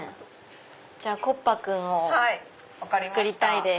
じゃあコッパクンを作りたいです。